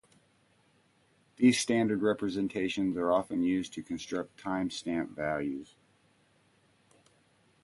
These standard representations are often used to construct timestamp values.